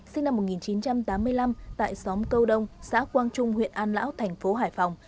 sinh năm một nghìn chín trăm tám mươi năm tại xóm câu đông xã quang trung huyện an lão thành phố hải phòng